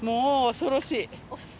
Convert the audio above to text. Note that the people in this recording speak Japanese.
恐ろしい？